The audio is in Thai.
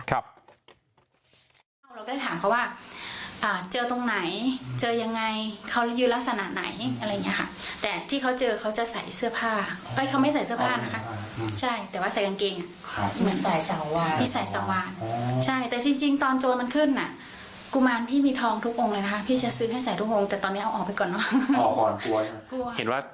เราได้ถามเขาว่าเจอตรงไหนเจอยังไงเขายืนลักษณะไหนอะไรอย่างนี้ค่ะ